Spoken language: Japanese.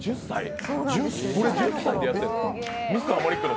これ１０歳でやってんの？